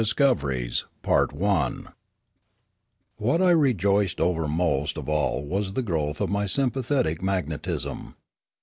CHAPTER I DISCOVERIES WHAT I rejoiced over most of all was the growth of my sympathetic magnetism.